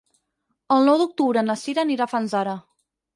El nou d'octubre na Cira anirà a Fanzara.